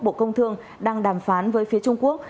bộ công thương đang đàm phán với phía trung quốc